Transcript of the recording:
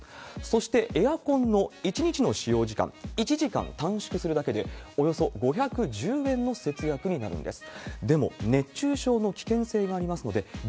そしてエアコンの１日の使用時間、１時間短縮するだけで、およそ５１０円の節約になるんです。